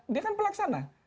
dia kan pelaksana